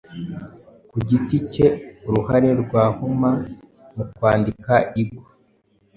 kugiti cyeUruhare rwa Homer mu kwandika igiigo